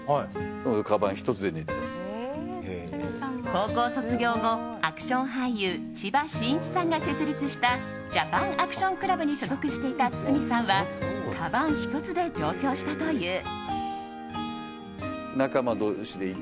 高校卒業後アクション俳優・千葉真一さんが設立したジャパン・アクション・クラブに所属していた堤さんはかばん１つで上京したという。